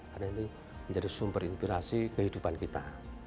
karena ini menjadi sumber inspirasi kehidupan kita